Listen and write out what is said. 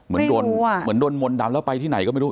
ไม่รู้อ่ะเหมือนโดนมนดำแล้วไปที่ไหนก็ไม่รู้